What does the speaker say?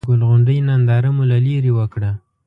د ګل غونډۍ ننداره مو له ليرې وکړه.